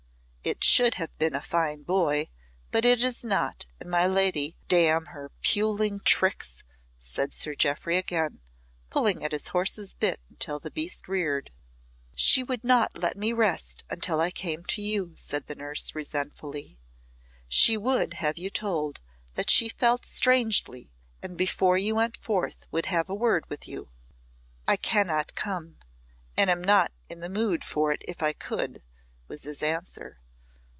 "It should have been a fine boy, but it is not, and my lady " "Damn her puling tricks!" said Sir Jeoffry again, pulling at his horse's bit until the beast reared. "She would not let me rest until I came to you," said the nurse resentfully. "She would have you told that she felt strangely, and before you went forth would have a word with you." "I cannot come, and am not in the mood for it if I could," was his answer.